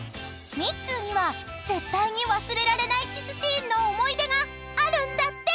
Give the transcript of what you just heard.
［ミッツーには絶対に忘れられないキスシーンの思い出があるんだって］